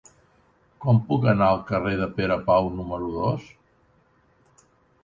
Com puc anar al carrer de Pere Pau número dos?